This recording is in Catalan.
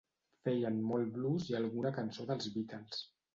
Feien molt blues i alguna cançó dels Beatles.